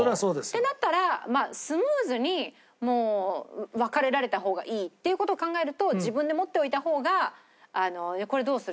ってなったらまあスムーズに別れられた方がいいっていう事を考えると自分で持っておいた方が「これどうする？